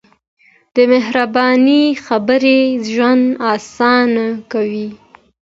د مهربانۍ خبرې ژوند اسانه کوي.